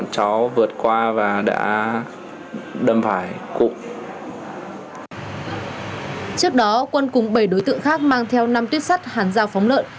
trước đó quân cúng bảy đối tượng khác mang theo năm tuyết sắt hàn giao phóng lợn